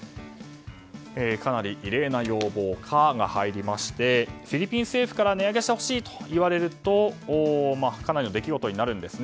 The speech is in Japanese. かなり異例な要望の「カ」が入りましてフィリピン政府から値上げしてほしいと言われるとかなりの出来事になるんです。